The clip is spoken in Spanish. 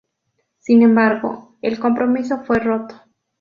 Sin embargo, el compromiso fue roto.